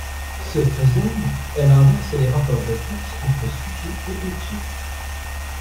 Ce faisant, elle inverse les rapports de force entre sujet et objet.